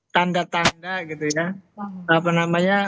tanda tanda gitu ya apa namanya